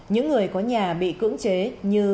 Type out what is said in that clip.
những người có nhà bị cưỡng chế như